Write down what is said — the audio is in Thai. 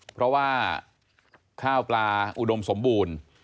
เพราะว่าข้าวปลาอุดมสมบูรณ์